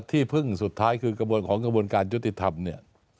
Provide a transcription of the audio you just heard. และที่พึ่งสุดท้ายคือกระบวนของการยุติธรรมนี้